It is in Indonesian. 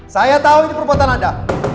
saya tahu ini perbuatan anda